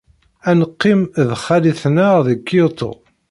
Ad neqqim ed xali-tneɣ deg Kyoto.